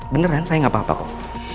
beneran saya gak apa apa kok